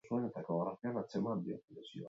Ez dute gertaerari buruzko datu gehiago jakinarazi.